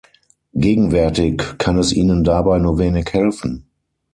Gegenwärtig kann es ihnen dabei nur wenig helfen.